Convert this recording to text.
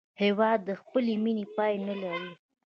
هېواد د خپلې مینې پای نه لري.